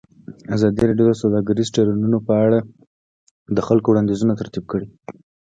ازادي راډیو د سوداګریز تړونونه په اړه د خلکو وړاندیزونه ترتیب کړي.